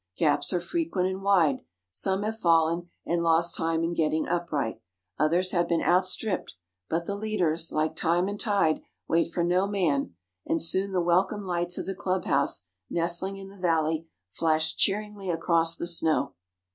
Gaps are frequent and wide. Some have fallen, and lost time in getting upright; others have been outstripped; but the leaders, like time and tide, wait for no man, and soon the welcome lights of the club house, nestling in the valley, flash cheeringly across the snow.